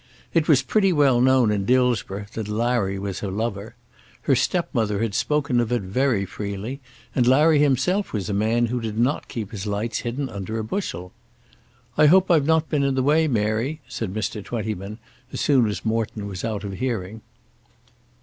It was pretty well known in Dillsborough that Larry was her lover. Her stepmother had spoken of it very freely; and Larry himself was a man who did not keep his lights hidden under a bushel. "I hope I've not been in the way, Mary," said Mr. Twentyman, as soon as Morton was out of hearing.